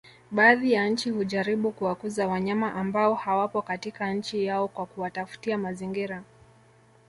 Baadhi ya nchi hujaribu kuwakuza wanyama ambao hawapo katika nchi yao kwa kuwatafutia mazingira